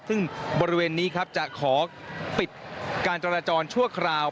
ซึ่งบริเวณนี้ครับจะขอปิดการจราจรชั่วคราว